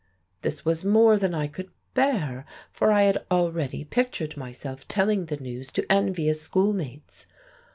This was more than I could bear, for I had already pictured myself telling the news to envious schoolmates.